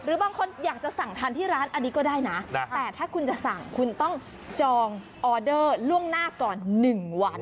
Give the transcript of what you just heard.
บางคนอยากจะสั่งทานที่ร้านอันนี้ก็ได้นะแต่ถ้าคุณจะสั่งคุณต้องจองออเดอร์ล่วงหน้าก่อน๑วัน